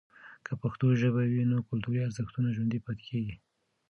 که پښتو ژبه وي، نو کلتوري ارزښتونه ژوندۍ پاتې کیږي.